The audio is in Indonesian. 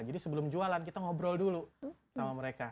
jadi sebelum jualan kita ngobrol dulu sama mereka